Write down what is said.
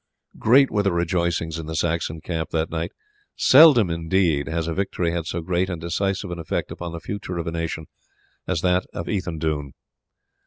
Great were the rejoicings in the Saxon camp that night. Seldom, indeed, has a victory had so great and decisive an effect upon the future of a nation as that of Ethandune.